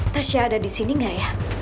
tasya ada di sini nggak ya